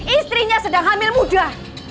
istrinya sedang hamil muda